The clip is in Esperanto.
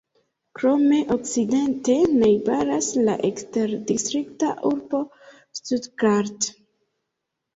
Krome okcidente najbaras la eksterdistrikta urbo Stuttgart.